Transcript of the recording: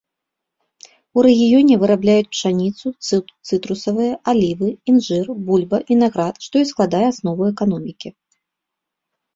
У рэгіёне вырабляюць пшаніцу, цытрусавыя, алівы, інжыр, бульба, вінаград, што і складае аснову эканомікі.